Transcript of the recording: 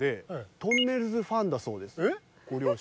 とんねるずファンだそうですご両親。